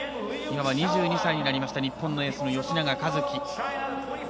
今は２２歳になりました日本のエースの吉永一貴。